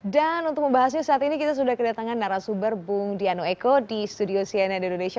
dan untuk membahasnya saat ini kita sudah kedatangan narasubar bung diano eko di studio cnn indonesia